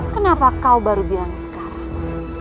kenapa kau baru bilang sekarang